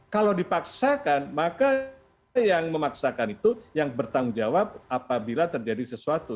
kalau dipaksakan maka yang memaksakan itu yang bertanggung jawab apabila terjadi sesuatu